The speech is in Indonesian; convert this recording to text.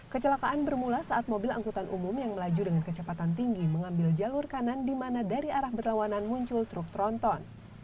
kecelakaan bermula saat mobil angkutan umum yang melaju dengan kecepatan tinggi mengambil jalur kanan di mana dari arah berlawanan muncul truk tronton